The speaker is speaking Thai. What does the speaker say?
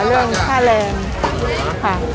เรื่องค่าแรงค่ะ